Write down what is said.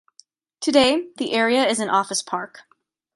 Today, the area is an office park.